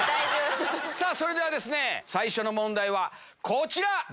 それではですね最初の問題はこちら！